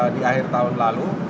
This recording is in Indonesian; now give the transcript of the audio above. di akhir tahun lalu